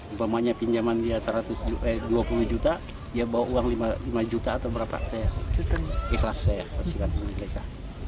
umpamanya pinjaman dia dua puluh juta dia bawa uang lima juta atau berapa saya ikhlas saya